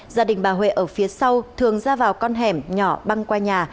gia đình bà huệ ở phía sau thường ra vào con hẻm nhỏ băng qua nhà